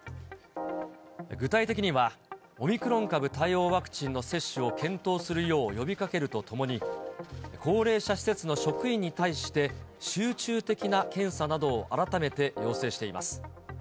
具体的には、オミクロン株対応ワクチンの接種を検討するよう呼びかけるとともに、高齢者施設の職員に対して、集中的な検査などを改めて要請しています。